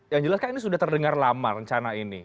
yang jelas kan ini sudah terdengar lama rencana ini